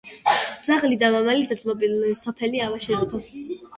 ძაღლი და მამალი დაძმობილდენ: სოფელი ავაშენოთო!